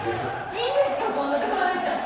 いいんですかこんなところ入っちゃって。